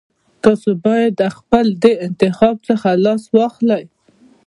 تاسو بايد له خپل دې انتخاب څخه لاس واخلئ.